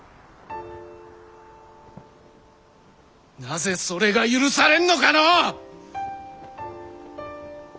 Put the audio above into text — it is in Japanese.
なぜそれが許されんのかのう！